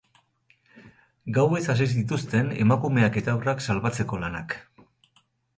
Gauez hasi zituzten emakumeak eta haurrak salbatzeko lanak.